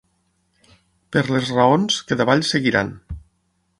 Per les raons que davall seguiran.